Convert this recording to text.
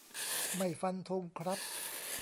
ไม่ฟันธงครับ